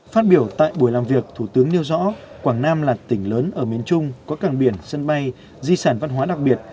phát biểu tại buổi làm việc thủ tướng nêu rõ quảng nam là tỉnh lớn ở miền trung có cảng biển sân bay di sản văn hóa đặc biệt